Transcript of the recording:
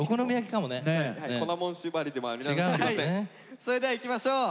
それではいきましょう。